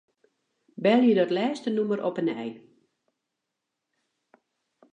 Belje dat lêste nûmer op 'e nij.